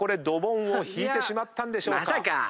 ドボンを引いてしまったんでしょうか？